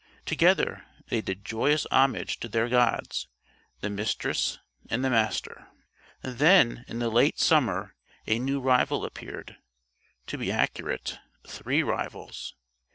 Together they did joyous homage to their gods, the Mistress and the Master. Then in the late summer a new rival appeared to be accurate, three rivals.